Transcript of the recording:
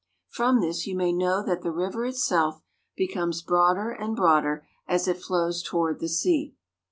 From this you may know that the river itself becomes broader and broader as it flows toward the sea.